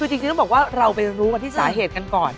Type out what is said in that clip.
คือจริงต้องบอกว่าเราไปรู้กันที่สาเหตุกันก่อน